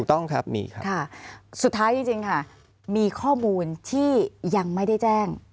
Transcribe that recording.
ต้องครับมีครับค่ะสุดท้ายจริงค่ะมีข้อมูลที่ยังไม่ได้แจ้ง